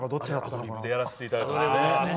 アドリブでやらせていただきました。